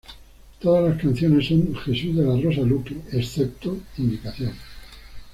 Todas las canciones son de Jesús de la Rosa Luque, excepto indicación.